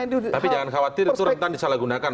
tapi jangan khawatir itu rentan disalahgunakan